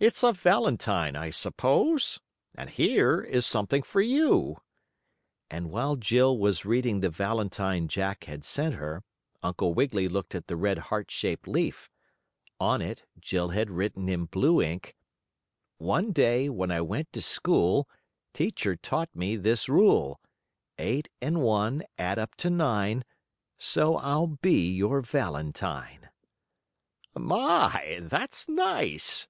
"It's a valentine, I suppose, and here is something for you," and while Jill was reading the valentine Jack had sent her, Uncle Wiggily looked at the red heart shaped leaf. On it Jill had written in blue ink: "One day when I went to school, Teacher taught to me this rule: Eight and one add up to nine; So I'll be your valentine." "My, that's nice!"